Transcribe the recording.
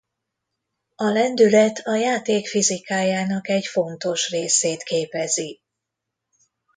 A lendület a játék fizikájának egy fontos részét képezi.